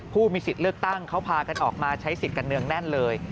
ผู้มีสิทธิ์เลือกตั้งเขาพากันออกมาใช้สิทธิ์กันเนืองแน่นเลย